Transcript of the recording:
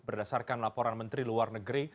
berdasarkan laporan menteri luar negeri